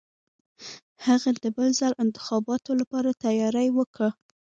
هغه د بل ځل انتخاباتو لپاره تیاری وکه.